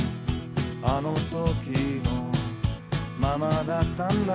「あの時のままだったんだ」